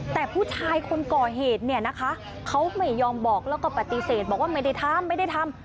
แต่ผู้ชายคนก่อเหตุเนี่ยนะคะเขาไม่ยอมบอกแล้วก็ปฏิเสธบอกว่าไม่ได้ทำไม่ได้ทำ